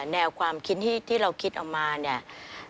แนวความคิดที่เราคิดเอามาเนี่ย